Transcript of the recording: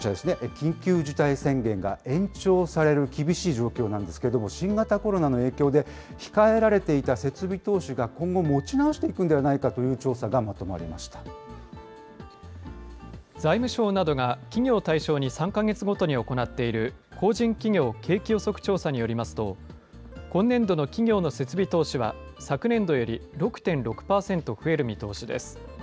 緊急事態宣言が延長される厳しい状況なんですけれども、新型コロナの影響で、控えられていた設備投資が、今後、持ち直していくんではないかという調査がまとまり財務省などが、企業を対象に３か月ごとに行っている、法人企業景気予測調査によりますと、今年度の企業の設備投資は、昨年度より６．６％増える見通しです。